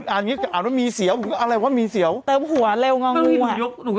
อ่านว่ามีเสียวอะไรวะมีเสียวเติมหัวเร็วงองมูอ่ะ